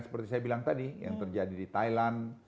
seperti saya bilang tadi yang terjadi di thailand